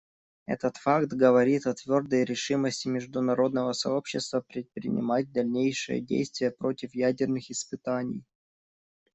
Этот факт говорит о твердой решимости международного сообщества предпринимать дальнейшие действия против ядерных испытаний.